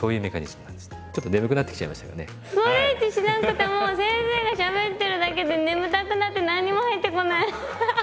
ストレッチしなくても先生がしゃべってるだけで眠たくなって何にも入ってこないアッハハ。